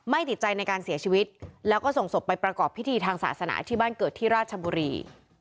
ติดใจในการเสียชีวิตแล้วก็ส่งศพไปประกอบพิธีทางศาสนาที่บ้านเกิดที่ราชบุรี